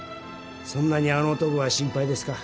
そんなにあの男が心配ですか？